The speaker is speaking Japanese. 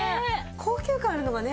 高級感あるのがね